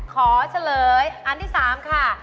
เฉลยอันที่๓ค่ะ